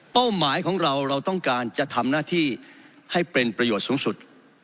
หมายของเราเราต้องการจะทำหน้าที่ให้เป็นประโยชน์สูงสุด